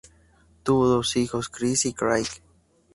Tuvo dos hijos: Chris y Craig.